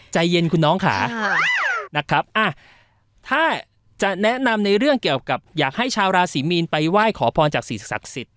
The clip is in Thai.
ใจเย็นคุณน้องค่ะนะครับถ้าจะแนะนำในเรื่องเกี่ยวกับอยากให้ชาวราศีมีนไปไหว้ขอพรจากสิ่งศักดิ์สิทธิ